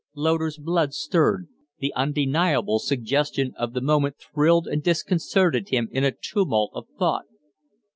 Loder's blood stirred, the undeniable suggestion of the moment thrilled and disconcerted him in a tumult of thought.